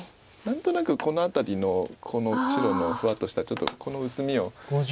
何となくこの辺りのこの白のふわっとしたちょっとこの薄みを。